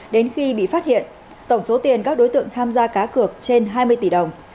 đến khi bị phát hiện tổng số tiền các đối tượng tham gia cá cược trên hai mươi tỷ đồng